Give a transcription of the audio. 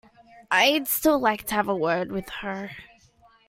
I'd still like to have a word with her.